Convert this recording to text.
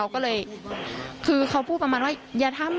คือเขาพูดต่อมาว่าอย่าทำ